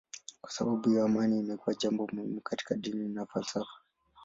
Kwa sababu hiyo amani imekuwa jambo muhimu katika dini na falsafa.